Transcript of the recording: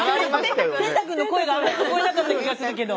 天嵩くんの声があまり聞こえなかった気がするけど。